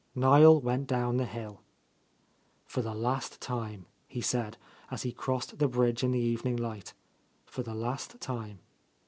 Niel went down the hill. "For the last time," he said, as he crossed the bridge in the evening light, "for the last time."